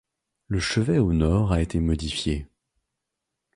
Le chevet au nord a été modifié.